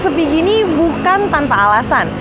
well segini bukan tanpa alasan